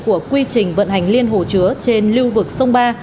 của quy trình vận hành liên hồ chứa trên lưu vực sông ba